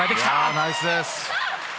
ナイスです！